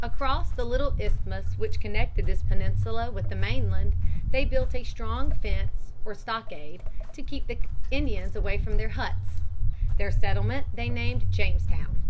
Across the little isthmus which connected this peninsula with the mainland they built a strong fence, or stockade, to keep the Indians away from their huts. Their settlement they named Jamestown.